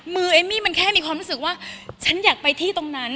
เอมมี่มันแค่มีความรู้สึกว่าฉันอยากไปที่ตรงนั้น